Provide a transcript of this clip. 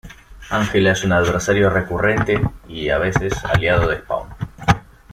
Angela es un adversario recurrente y, a veces, aliado de Spawn.